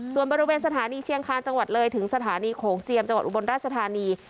ส่วนบริเวณสถานีเชียงคาญจังหวัดเลยถึงสถานีโขงเจียมจังหวัดอุบลราชธานี